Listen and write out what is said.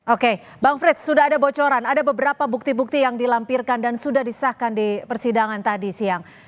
oke bang frits sudah ada bocoran ada beberapa bukti bukti yang dilampirkan dan sudah disahkan di persidangan tadi siang